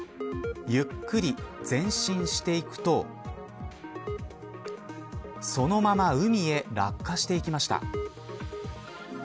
ゆっくり前進していくとそのまま海へ落下していきました。